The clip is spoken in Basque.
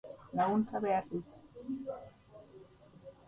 Laguntza behar dut